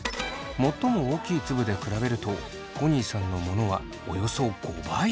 最も大きい粒で比べるとコニーさんのものはおよそ５倍。